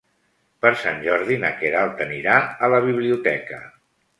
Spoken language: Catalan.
Per Sant Jordi na Queralt anirà a la biblioteca.